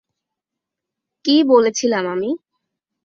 কী বলেছিলাম আমি?